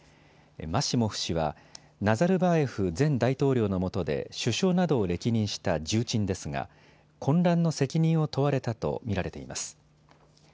マシモフ氏はナザルバーエフ前大統領の下で首相などを歴任した重鎮ですが混乱の責任を問われたと見られています。